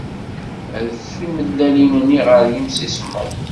Rret timellalin-nni ɣer yimsismeḍ.